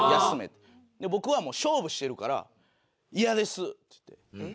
僕は勝負してるから「嫌です！」っつって。